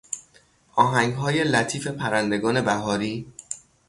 آهنگهای لطیف پرندگان بهاری